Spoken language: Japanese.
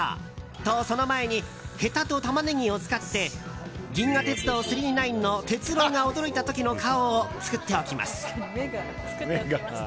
と、その前にヘタとタマネギを使って「銀河鉄道９９９」の鉄郎が驚いた時の顔を作っておきます。